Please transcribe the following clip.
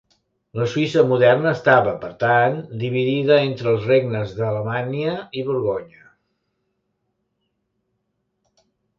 La Suïssa moderna estava, per tant, dividia entre els regnes d'Alamània i Borgonya.